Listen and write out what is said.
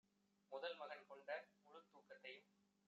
முதல்மகன் கொண்ட முழுத்தூக் கத்தையும்